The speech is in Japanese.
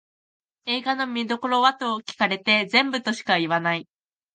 映画の見どころはと聞かれて全部としか言わない